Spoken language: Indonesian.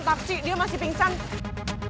bagaimana yang bapak mau beri